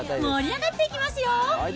盛り上がっていきますよ。